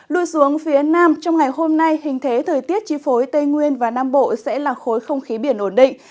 lui xuống phía nam trong ngày hôm nay hình thế thời tiết chi phối tây nguyên và nam bộ sẽ là khối không khí biển ổn định